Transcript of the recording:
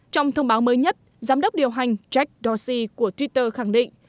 trong thông báo mới nhất giám đốc điều hành jack dorsey của twitter khẳng định